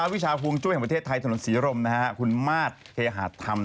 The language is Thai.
วิชาห่วงจุ้ยของประเทศไทยถนนศรีรมคุณมาสเคหาธรรม